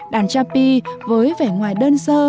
đàn chapi với vẻ ngoài đơn sơ